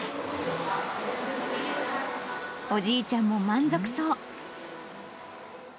おじいちゃんも満足そう。